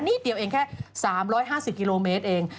นิดเดียวเองแค่๓๕๐กิโลเมตรเอง